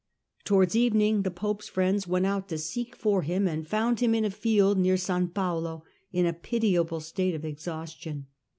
Towards evening the pope's friends went out to seek for him and found him in a field near S. Paolo in a pitiable state of exhaustion.